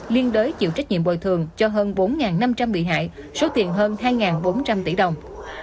liên đối chịu trách nhiệm bồi thường cho hơn bốn năm trăm linh bị hại số tiền hơn hai bốn trăm linh tỷ đồng